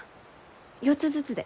４つずつで。